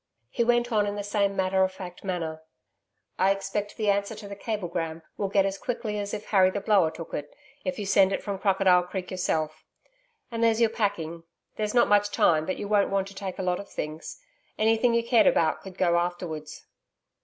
He went on in the same matter of fact manner. 'I expect the answer to the cablegram will get as quickly as if Harry the Blower took it, if you send it from Crocodile Creek yourself. And there's your packing there's not much time, but you won't want to take a lot of things. Anything you cared about could go afterwards.'